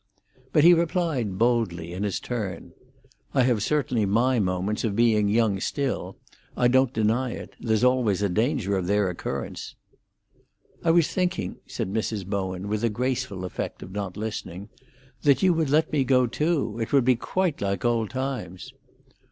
But he replied, boldly, in his turn: "I have certainly my moments of being young still; I don't deny it. There's always a danger of their occurrence." "I was thinking," said Mrs. Bowen, with a graceful effect of not listening, "that you would let me go too. It would be quite like old times."